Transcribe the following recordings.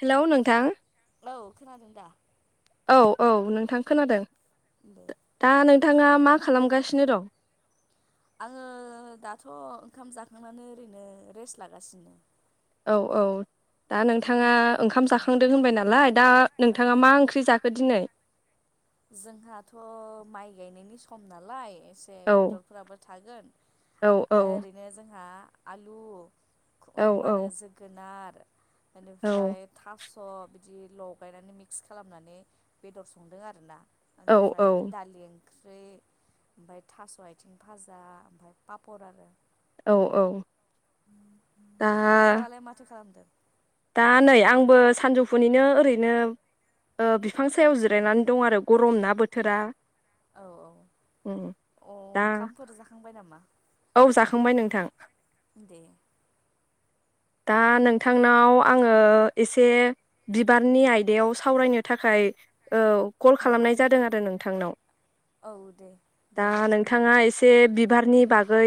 Hello नोंथां औ खोनादों दा? औ औ नोंथां खोनादों। [inaudible] नोंङा मा खालामगासिनो दं? आंङो दाथ' ओंखाम जाखांनानै ओरैनो रेस्ट लागासिनो। औ औ दा नों नोंथांङा ओंखाम उम जाखांदों होनबाय नालाय दा औ नोंथांङा मा ओंख्रि जखो? दिनै खम नालाय एसे औ बेदरफोराबो थागोन औ औ ओरैनो जोंहा आलु औ मा होनो जोगोनार औ बेनिफ्राय थास' अ बिदि लगायनानै मिक्स खालामनानै बेदर संदों आ [unintelligible] औ निफ्राय औ दालि ओं ओंख्रि ओमफ्राय थास' आथिं भाजा ओमफाय पापर आरो। औ औ दा नोंथांङालाय माथो खालामदों? दा नै आंबो सानजौफुनिनो ओरैनो ओ बि फां सायाव उम जिरायनानै दं आरो गरम ना बो थोरा औ औ अ दा ओंखामफोर जाखांबाय नामा? औ जाखांबाय नोंथां। दे दा नोंथांनाव आंङो एसे बिबारनि आयदायाव सावरायनो थाखाय औ कल उम खालामनाय जादों आरो नोंथांनाव। औ दे दा दे रायज्लाय नोंथांङा जायो एसे बिबारनि बागै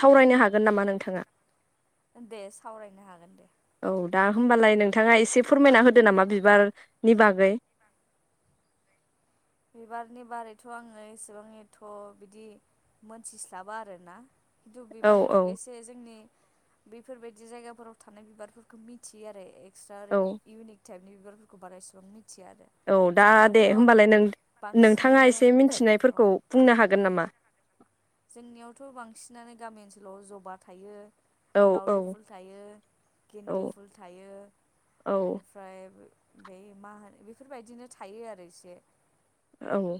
सावरायनो हागोन नामा नोंथांङा? दे सावरायनो हागोन दे दा होमबालाय नोंथाङा एसे फोरमायना होदो नामा बिबारनि बागै। बिबारनि बारैथ' आङो एसेबां एथ' बिदि मोनथिस्लाबा आरोना खिन्थु औ बिबारफोर औ एसे जोंनि बेफोरबायदि जायगाफोराव थानाय बिबारफोरखौ मिथियो आरो एक क्सट्रा ओरैनो औ इउनिक टाइपनि बिबारफोरखौ बारा एसेबां मि औ दा दे होमबालाय नों नोंथाङा बांसिनानो एसे औ मिथिनायफोरखौ बुंनो हागोन नामा? आ। जोंनियावथ' बांसिनानो गामि ओनसोलाव जबा थायो। औ औ दाावदै फुल थायो, औ गिन्दि फुल थायो, औ बेनिफ्राय फ्राय मा होनो बेफोरबायदिनो थायो आरो इसे। औ।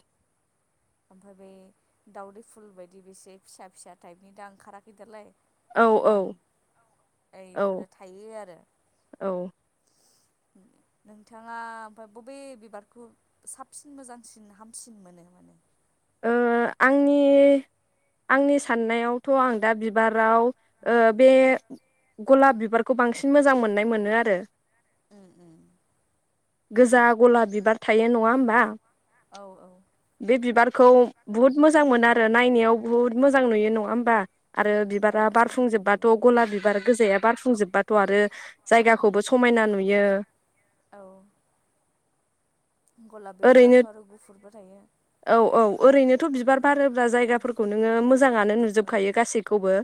ओमफ्राय बे दावदै फुल बायदि बेसे फिसा फिसा टाइपनि दा ओंखाराखै दालाय औ गोदान एफोरो औ थायो आरो। नोंथाङा ओमफाय बबे बिबारखौ साबसिन मोजांसिन हामसिन मोनो माने? ओ आंनि आंनि साननायावथ' आं दा बिबाराव बे गलाब बिबारखौ बांसिन मोजां मोननाय मोनो आरो। उम उम गोजा गला बिबार थायो नङा होमबा? औ औ बे बिबार खौ बुहुत मोजां मोनो आरो नायनायाव बहुत मोजां नुयो नङा होम बा? आरो बिबारा औ समायना बारफुंजोब्बाथ' नुयो गलाब बिबार गोजाया बारफुंजोब्बाथ' आरो औ जायगाखौबो समायना नुयो। यो। औ। गलाब ओरैनो बिबाराथ' आरो गुफुरबो थायो औ औ ओरैनोथ' उम बिबार बारोब्रा जायगाफोरखौ नोङो मोजाङानो औ नुजोबखायो गासैखौबो।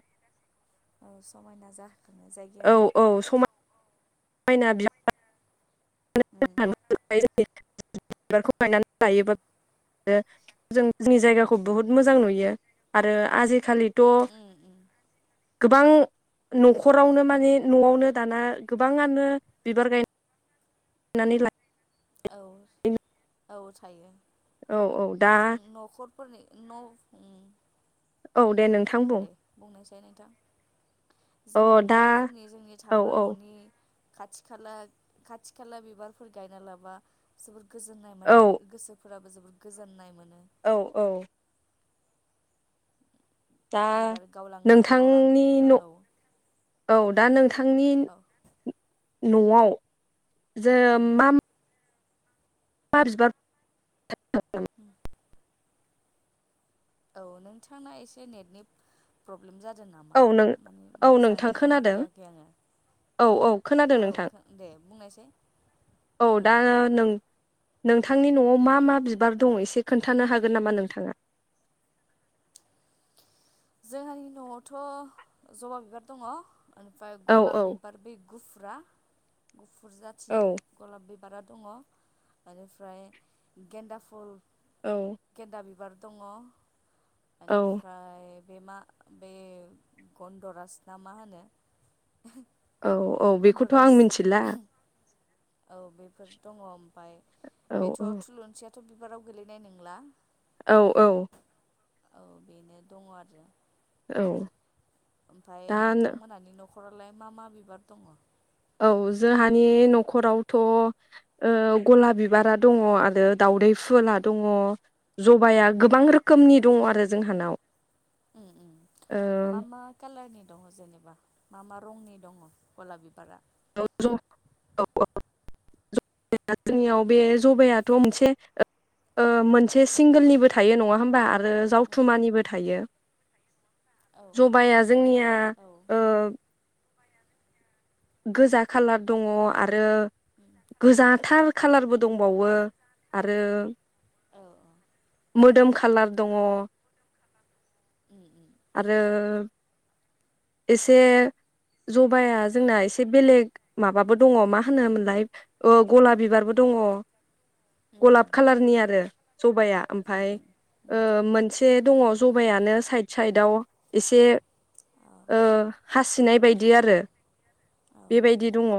औ समायना जाखाङो औ जायगायानो। औ [unintelligible] उम [unintelligible] [unintelligible] गायनानै लायोब्ला यो जों जोंनि जायगाखौ उम बहुत मोजां नुयो। आरो आजि खालि द उम उम गोबां न'खरावनो उम माने न'आवनो दाना गोबाङानो बिबार गाय गायनानै ला औ औ सायो औ औ दा फोरनि न' उम औ दे नोंथां बुं दे बुंनायसाय नोंथां जों औ दा न'फोरनि जोंनि औ थाग्रा औ न'नि खाथि खाला खाथि खाला बिबारफोर गायना लाबा जोब गोजोन्नाय औ माने गो-गोसो फोराबो जोबोद गोजोन्नाय मोनो। औ औ दा बिबार गावलां गावलां नोंथांनि गेवलां न' औ औ दा नों थांनि औ न'आव जो उम मा मा बिबार उम औ नोंथांना एसे नेटनि फ-प्रब्लेम जादों दों औ नामा नों मानि औ नोंथां मोजाङै खोनादों खोनाफैयाखै आङो औ औ खोनादों औ नोंथां दे बुंनायसै औ दा दे नों नोंथांनि न'आव मा मा बिबार दं एसे खोन्थानो हागोन नामा नोंथाङा? जोंहानि न'आवथ' जबा बिबार दङ ओमफ्राय औ गलाब बिबार बे गुफुरा गुफुर जाथिनि औ गलाब बे बिबारा दङ बेनिफ्राय गेन्दा फु औ गेनदा बिबार दङ एनिफ्राय बे मा बे गन्दरास ना मा होनो? औ औ बेखौथ' आं गन्दरास मिथिला औ बेफोर दङ मफाय औ बेथ' औ थुलंनसिया थ' बिबाराव गोलैनाय नोंला। औ औ औ बेनो दङ आरो औ ओमफाय दा नोंथांमोनानि न' न'खरालाय मा मा बिबार दङ? औ जोंहानि न'खरावथ' ओ गलाब बिबारा दङ आरो दाउदै फुला दङ। जबाया उम गोबां रोखोमनि दङ आरो जोंहानाव। मा ओ मा कालारनि? दङ जेनेबा मा मा रंनि दङ गलाब बिबारा? [unintelligible] औ औ जोंनियाव बे जबायाथ' मोनसे ओ मोनसे सिंगोलनिबो थायो नङा होमबा आ आरो उम जावथुमानिबो थायो। औ जबाया जोंनिया औ ओ गोजा खाालार दङ आरो उम गोजाथार खाालारबो दंबावो आरो औ औ मोदोम खालार दङ। उम उम आरो एसे जबाया जोंना एसे बेलेग माबाबो दङ मा होनोमोनलाय ओ गला बिबारबो दङ। उम गलाप खालारनि आरो जबाया उम ओमफाय उम उम ओ मोनसे। दङ जबायानो साइद साइदआव एसे औ ओ हासिनाय बायदि आरो औ बेबायदि दङ।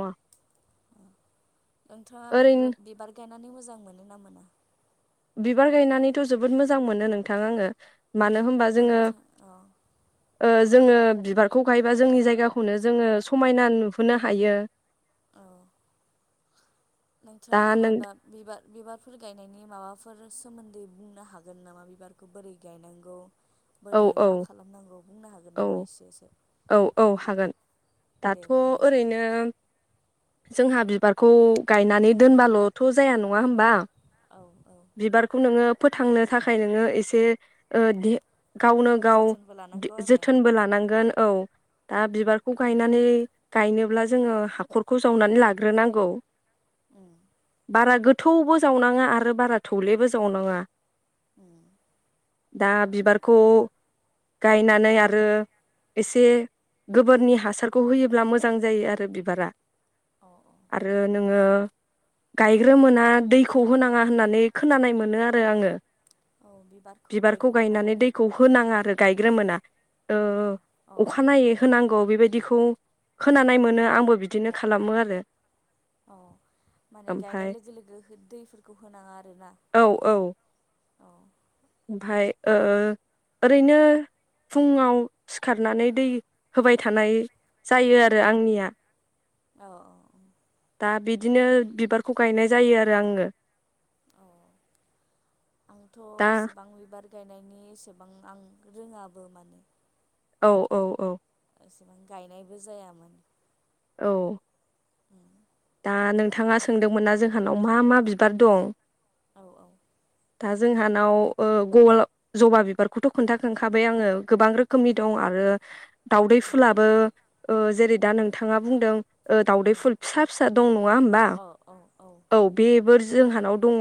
नोंथाङा ओरैनो बिबा-बिबार गायन मोने मोजां मोनो ना मोना? बिबार गायनानैथ' जोबोद मोजां मोनो नोंथां आङो। मानो होमबा जोङो। नोंथां औ ओ जोङो बिबारखौ गायबा जोंनि जायगाखौनो जोङो समायना नुहोनो हायो। औ नोंथांङा दा नों मायबा बिबार बिबारफोर गायनायनि माबाफोर सोमोन्दै बुंनो हागोन नामा बिबारखौ बोरै गायनांगौ? औ बोरै औ मा खालामनांगौ बुंनो हागोन औ नामा एसे एसो? औ -औ हागोन दाथ' बुंनायसै ओरैनो जोंहा बि बारखौ गायनानै दोनबाल'थ' जाया नङा होमबा? औ औ बिबारखौ नोङो फोथांनो थाखाय नोङो एसे ओ दे गावनो गाव जोथोनबो दो लानांगौ जोथोनबो आरो लानांगोन। ओ दा बिबारखौ गायनानै गायनोब्ला जोङो हाखरखौ जावनानै लाग्रोनांगौ। [unintelligible] बारा गोथौबो जावनाङा आरो बारा थौलेबो जावनाङा। [unintelligible] दा बिबारखौ उम गायनानै आरो। एसे गोबोरनि हासारखौ होयोब्ला मोजां जायो आरो बिबारा। औ आरो नोङो गायग्रोमोना दैखौ होनाङा होननानै खोनानाय मोनो आरो आङो। औ बिबारखौ गायग्रोमोना गायनानै माने दैखौ होनाङा आरो। गायग्रोमोना ओ-ओ अ अ अ अखानायै होनांगौ अ बेबायदिखौ खोनानाय मोनो आंबो बिदिनो खालामो आरो। अ माने गायनाय ओमफाय लोगो लोगो हो दैफोरखौ होनाङा आरोना? औ औ औ ओमफाय ओ ओरैनो फुंङाव सिखारनानै दै होबाय थानाय जायो आरो आंनिया। औ -औ दा बिदिनो बिबारखौ गायनाय जायो आरो आङो। औ- औ आंथ' दा एसेबां बिबार गायनायनि एसेबां आं रोङाबो माने औ औ- औ एसेबां गायनायबो जायामोन। औ [unintelligible] दा नोंथाङा बेखाय सोंदोंमोनना औ जोंहानाव मा मा बिब बार दं औ -औ दा जोंहानाव ओ गल जबा बिबारखौथ' खोन्थाखांखाबाय आङो। गोबां रोखोमनि ओं दं आरो दावदै उम फुलाबो ओ जेरै दा नोंथाङा बुंदों। ओ औ दाउदै फुल फिसा फिसा दं नङा होमबा। अ औ औ बेबोर जोंहानाव दङ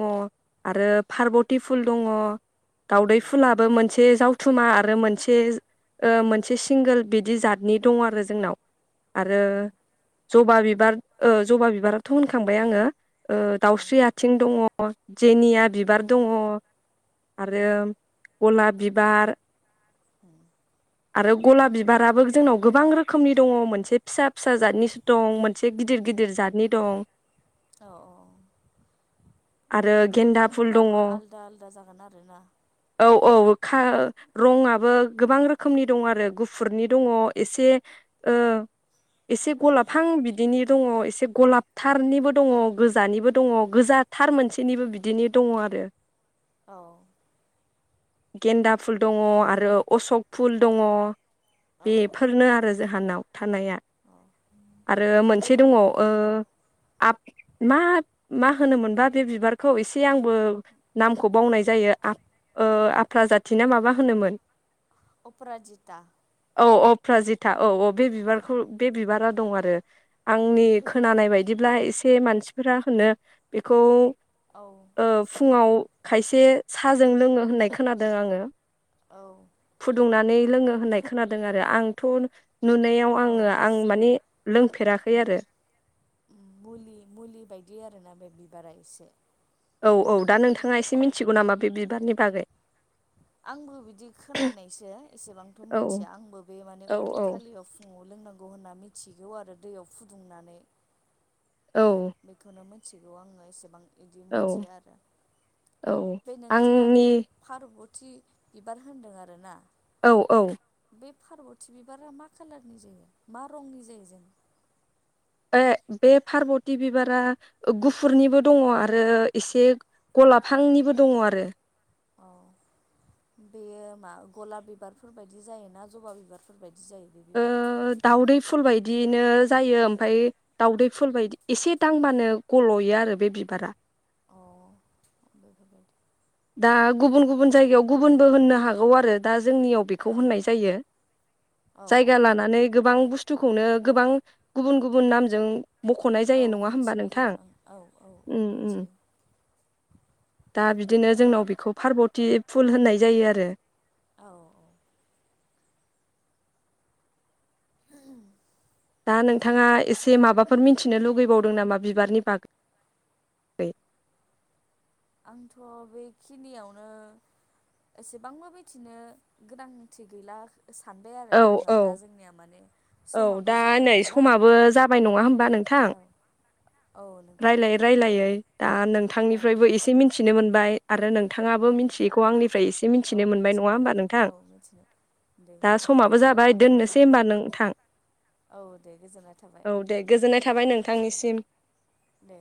आरो पार्बति फुल दङ। दावदै उम फुलाबो मोनसे जाव थुमा आरो मोनसे ओ मोनसे सिंगोल बिदि जातनि दं आरो जोंनाव आरो अ ज'बा बिबार ओ ज'बा बिबाराथ' होनखांबाय आङो ओ औ दाउस्रि आथिं दङ अ जेनियाद बिबार औ दङ औ आरो गलाप बिबार उम आरो गलाब बिबाराबो जोंनाव गोबां रोखोमनि दङ मोनसे फिसा फिसा जादनिसो दं मोनसे गिदिर गिदिर जातनि दं। औ अ आरो बिनि गेन्दा फुल दङ रंफोराबो औ आलदा आलदा जागोन आरोना? औ खा रंआबो गोबां रोखोमनि दङ आरो गुफुरनि दङ एसे ओ एसे उम गलाफहां बिद दङ एसे गलाबथारनिबो दङ गोजानिबो दङ उम गोजाथार मोनसेनिबो बिदिनो दङ आरो औ गेन्दा फुल दङ आरो अशक फुल दङ बेफोरनो आरो जाहानाव थानाया अ आरो मोनसे दङ ओ आब मा मा होनोमोनबा बे बिबारखौ एसे आंबो नामखौ बावनाय जायो आब ओ आफ्रा जाथिना माबा होनोमोन उपराजिता औ औ अप्रजिथा औ औ बे बिबारखौ बे बिबारा दं आरो आंनि खोनानाय बायदिब्ला एसे मानसिफोरा होनो बेखौ औ ओ एसे फुङाव खायसे साजों लोङो होननाय खोनादों आङो औ फुदुंनानै लोङो होननाय खोनादों आरो आंथ' नुनायाव आङो औ आं एसे माने लोंफेराखै उम आरो उम मुलि मुलि बायदि आरोना बे बिबारा एसे औ औ दा नोंथाङा एसे मिथिगौ नामा बे बिबारनि बागै आंबो बिदि खोनानायसो एसेबांथ' औ मिथिया आंबो बे माने औ उदै औ खालियाव फुङाव लोंनां गौ होनना मिथिगौ आरो दैयाव फुदुंनानै [unintelligible] मिथिगौ आङो एसेबां बिदि औ मोनथिया आरो। औ बे नोंथाङा दे आंनि बे पारबत थि बिबार होनदों आरो ना औ औ। बे पारर्वथि बिबारा मा कालारनि जायो मा रंनि जायो जेनबा? ए बे पारर्बति बिबारा गुफुरनिबो दङ' आरो एसे गलाफहांनिबो दङ आरो। अ, बेयो मा गलाब बिबारफोर बायदि जायोना जबा बिबारफोर बायदि ओ दाउदै फुल बायदियैनो जायो। ओमफाय दावदै फुल बायदि एसे दांबानो गल'यो आरो बे बिबारा। अ बेफोरबायदि। दा गुबुन गुबुन जायगायाव गुबुनबो होननो हागौ आरो दा जोंनियाव बेखौ औ होननाय जायो। औ जायगा औ लानानै गोबां बुस्थुखौनो गोबां गुबुन गुबुन नामजों मख'नाय औ जायो नङा होमबा मिथिनाय जायो। नोंथां ओं औ औ औ उम उम मिथियो। दा बि दिनो जोंनाव बेखौ पारर्वथि फुल होननाय जायो आरो। औ औ। दा नोंथाङा एसे से माबाफोर उम। मिथिनो लुगैबावदों नामा? बिबारनि बागै। आंथ' बेखिनियावनो एसेबांबो मिथिनो गोनांथि गैला सानबाय औ आरोना आङो दा औ जोंनिया माने औ समाबो दा जाबाय नै नालाय समाबो जाबाय नङा होमबा नोंथां? औ औ नोंथां रायलायै रायलायै दा औ नोंथांनिफ्रायबो एसे मिन्थिनो मोन बाय आरो नों थांङाबो औ मिथियैखौ आंनिफ्राय एसे मिथिनो औ मोनबाय नङा मिथिबाय होमबा औ नोंथां? औ मिथिनो दे समाबो गोजोननाय जाबाय थाबाय नोंथां दोननोसै होमबा नोंथां औ दे गोजोननाय थाबाय औ दे गोजोननाय थाबाय नों नोंथांनिसिम। दे।